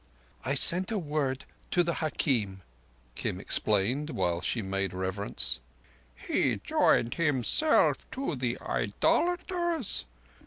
"I sent a word to the hakim," Kim explained, while she made reverence. "He joined himself to the idolaters?